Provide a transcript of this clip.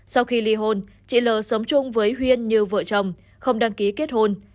sau khi li hôn chị lờ sống chung với huyên như vợ chồng không đăng ký kết hôn